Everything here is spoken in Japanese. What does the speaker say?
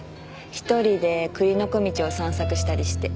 １人で栗の小径を散策したりして。